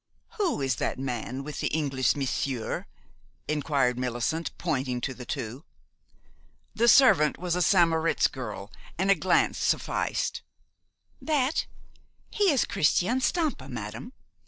"Who is that man with the English monsieur?" inquired Millicent, pointing to the two. The servant was a St. Moritz girl, and a glance sufficed. "That? He is Christian Stampa, madam.